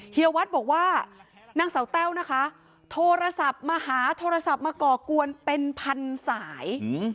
วัดบอกว่านางเสาแต้วนะคะโทรศัพท์มาหาโทรศัพท์มาก่อกวนเป็นพันสาย